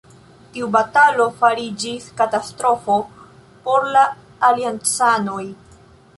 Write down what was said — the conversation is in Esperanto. Tiu batalo fariĝis katastrofo por la aliancanoj.